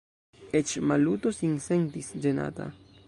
Eĉ Maluto sin sentis ĝenata.